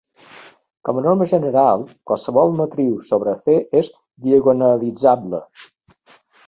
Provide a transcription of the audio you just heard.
Com a norma general, qualsevol matriu sobre ℂ és diagonalitzable.